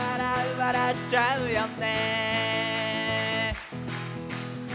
「笑っちゃうよね」